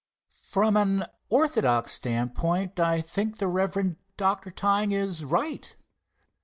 From an orthodox standpoint, I think the Rev. Dr. Tyng is right.